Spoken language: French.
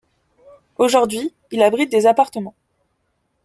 Aujourd'hui, il abrite des appartements.